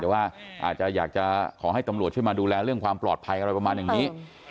แต่ว่าอาจจะอยากจะขอให้ตำรวจช่วยมาดูแลเรื่องความปลอดภัยอะไรประมาณอย่างนี้